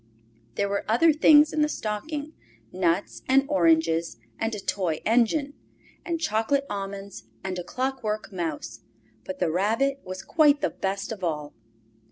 There were other things in the stocking, nuts and oranges and a toy engine, and chocolate almonds and a clockwork mouse, but the Rabbit was quite the best of all.